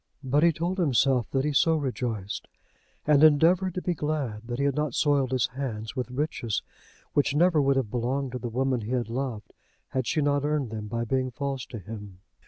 But he told himself that he so rejoiced, and endeavoured to be glad that he had not soiled his hands with riches which never would have belonged to the woman he had loved had she not earned them by being false to him.